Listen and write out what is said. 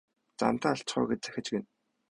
Замдаа алдчихав аа гэж захиж гэнэ.